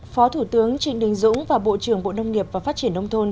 phó thủ tướng trịnh đình dũng và bộ trưởng bộ nông nghiệp và phát triển nông thôn